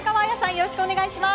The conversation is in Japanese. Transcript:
よろしくお願いします。